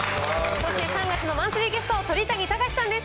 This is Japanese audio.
そして３月のマンスリーゲスト、鳥谷敬さんです。